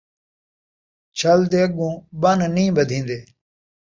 چھل دے اڳوں ٻن نئیں ٻدھین٘دے